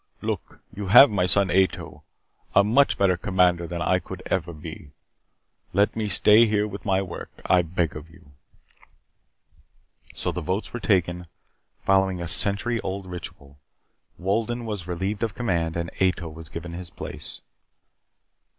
Look, you have my son Ato. A much better commander than I could ever be. Let me stay here with my work, I beg of you." So the votes were taken, following a century old ritual. Wolden was relieved of command and Ato was given his place.